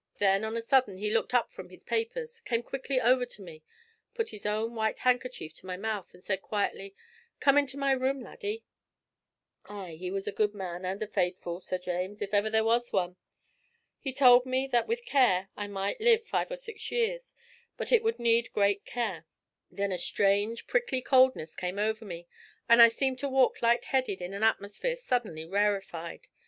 Then on a sudden he looked up from his papers, came quickly over to me, put his own white handkerchief to my mouth, and quietly said, "Come into my room, laddie!" Ay, he was a good man and a faithful, Sir James, if ever there was one. He told me that with care I might live five or six years, but it would need great care. Then a strange prickly coldness came over me, and I seemed to walk light headed in an atmosphere suddenly rarefied.